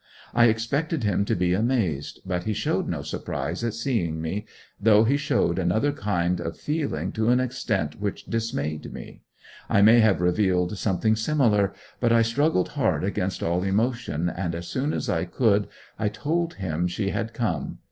I expected him to be amazed; but he showed no surprise at seeing me, though he showed another kind of feeling to an extent which dismayed me. I may have revealed something similar; but I struggled hard against all emotion, and as soon as I could I told him she had come.